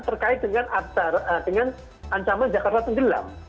terkait dengan ancaman jakarta tenggelam